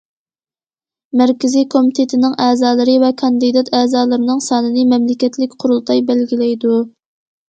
مەركىزىي كومىتېتنىڭ ئەزالىرى ۋە كاندىدات ئەزالىرىنىڭ سانىنى مەملىكەتلىك قۇرۇلتاي بەلگىلەيدۇ.